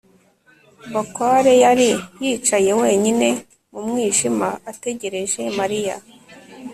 bakware yari yicaye wenyine mu mwijima ategereje mariya